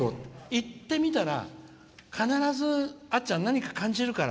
行ってみたら必ず、あっちゃん何か感じるから。